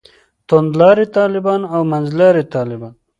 توندلاري طالبان او منځلاري طالبان.